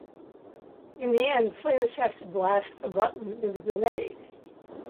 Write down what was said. In the end, players have to blast a button with a grenade.